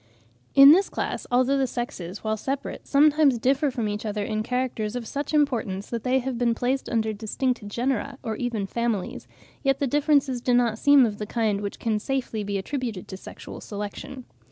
In this class, although the sexes, when separate, sometimes differ from each other in characters of such importance that they have been placed under distinct genera or even families, yet the differences do not seem of the kind which can be safely attributed to sexual selection.